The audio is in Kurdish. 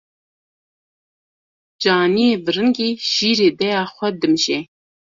Caniyê viringî şîrê dêya xwe dimije.